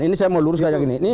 ini saya mau luruskan yang gini